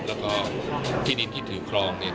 แล้วก็ที่ดินที่ถือคลองเนี่ย